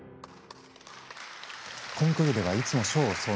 コンクールではいつも賞を総なめ。